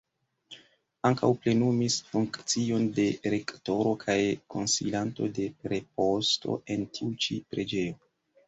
Ankaŭ plenumis funkcion de rektoro kaj konsilanto de preposto en tiu ĉi preĝejo.